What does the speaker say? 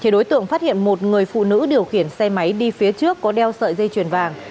đối tượng phát hiện một người phụ nữ điều khiển xe máy đi phía trước có đeo sợi dây chuyền vàng